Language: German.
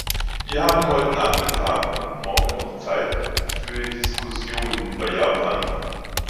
Wir haben heute Nachmittag und morgen noch Zeit für Diskussionen über Japan.